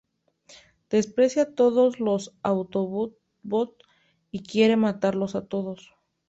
Desprecia todos los Autobots, y quiere matarlos a todos.